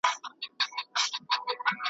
وئېل ئې دغه ټول علامتونه د باران دي `